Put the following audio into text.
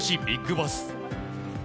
ビッグボス。